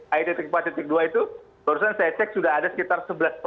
ay empat dua itu kemudian saya cek sudah ada sekitar sebelas